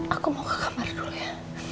aku mau ke kamar dulu ya